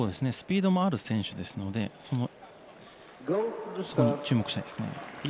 スピードもある選手ですのでそこに注目したいですね。